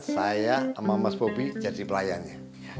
saya sama mas bobi jadi pelayannya